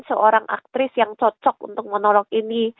seorang aktris yang cocok untuk monolog ini